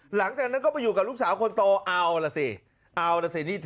หลังจากนั้นก็ไปอยู่กับลูกสาวคนโตเอาล่ะสิเอาล่ะสินี่